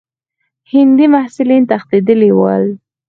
هندي محصلین تښتېدلي ول.